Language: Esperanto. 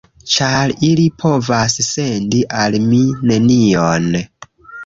Ĉar ili povas sendi al mi nenion.